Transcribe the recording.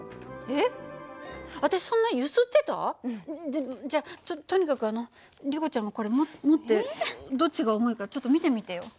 じゃじゃあととにかくあのリコちゃんもこれも持ってどっちが重いかちょっと見てみてよ。